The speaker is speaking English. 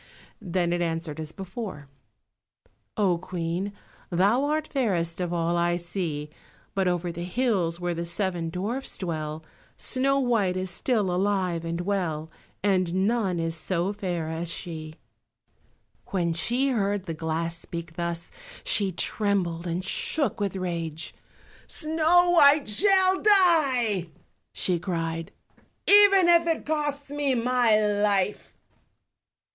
then it answered as before— "Oh, Queen, thou art fairest of all I see, But over the hills, where the seven dwarfs dwell, Snow white is still alive and well, And none is so fair as she." When she heard the glass speak thus she trembled and shook with rage. "Snow white shall die," she cried, "even if it costs me my life!"